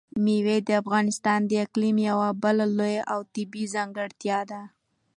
مېوې د افغانستان د اقلیم یوه بله لویه او طبیعي ځانګړتیا ده.